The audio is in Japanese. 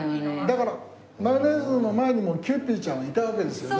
だからマヨネーズの前にもキユーピーちゃんはいたわけですよね。